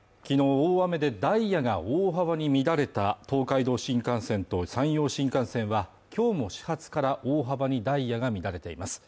大雨でダイヤが大幅に乱れた東海道新幹線と山陽新幹線はきょうも始発から大幅にダイヤが乱れています